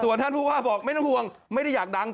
ท่านผู้ว่าบอกไม่ต้องห่วงไม่ได้อยากดัง